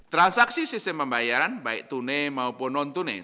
transaksi sistem pembayaran baik tunai maupun non tunai